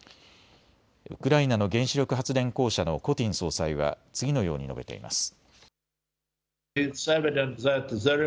ウクライナの原子力発電公社のコティン総裁は次のように述べています。